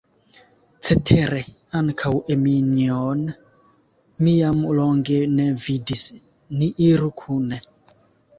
Cetere ankaŭ Eminjon mi jam longe ne vidis, ni iru kune.